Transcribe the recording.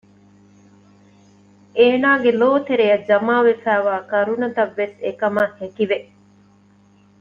އޭނާގެ ލޯތެރެއަށް ޖަމާވެފައިވާ ކަރުނަތައްވެސް އެކަމަށް ހެކިވެ